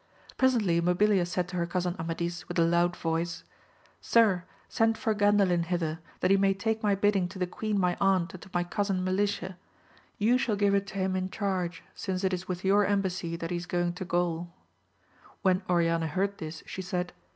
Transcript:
Pre sently Mabilia said to her cousin Amadis with a loud voice, Sir, send for Gandalin hither, that he may take my bidding to the queen my aunt and to my cousin Melicia, you shall give it to him in charge, since it is with your embassy that he is going to Gaul. When Oriana heard this she said.